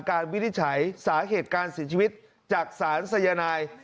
การวิจัยสาเหตุการณ์สินชีวิตจากสารไซยานาย